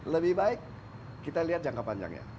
lebih baik kita lihat jangka panjangnya